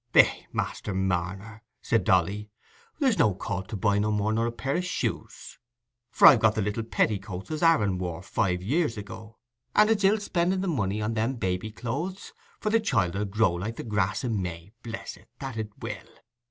"Eh, Master Marner," said Dolly, "there's no call to buy, no more nor a pair o' shoes; for I've got the little petticoats as Aaron wore five years ago, and it's ill spending the money on them baby clothes, for the child 'ull grow like grass i' May, bless it—that it will."